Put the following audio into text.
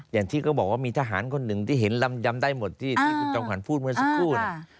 อย่างที่บอกว่ามีทหารคนหนึ่งที่เห็นลำยำได้หมดที่คุณจอมขวัญพูดเมื่อสักครู่เนี่ย